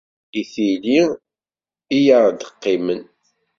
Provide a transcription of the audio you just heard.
I tili i aɣ-d-qqimen.